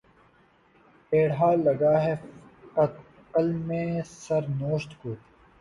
ٹیڑھا لگا ہے قط‘ قلمِ سر نوشت کو